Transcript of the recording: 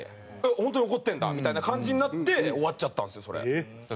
本当に怒ってるんだみたいな感じになって終わっちゃったんですよそれ。